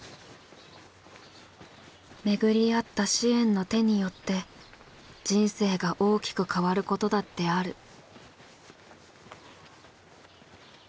巡り会った支援の手によって人生が大きく変わることだってある。